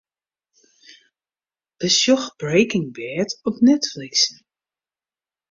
Besjoch 'Breaking Bad' op Netflix.